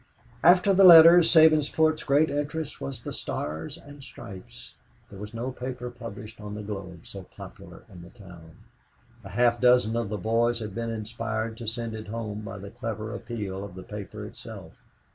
After the letters, Sabinsport's great interest was The Stars and Stripes. There was no paper published on the globe so popular in the town. A half dozen of the boys had been inspired to send it home by the clever appeal of the paper itself.